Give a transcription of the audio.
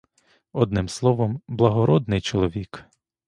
Одним словом — благородний чоловік.